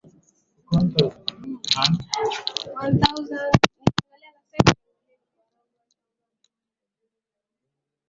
ya Amazonia kaskazini mashariki ambayo husababisha